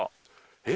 えっ？